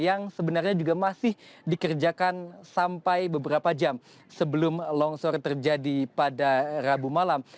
yang sebenarnya juga masih dikerjakan sampai beberapa jam sebelum longsor terjadi pada rabu malam